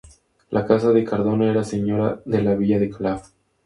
La casa de Cardona era señora de la villa de Calaf.